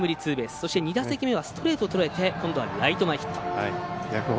そして２打席目はストレートをとらえてライト前ヒット。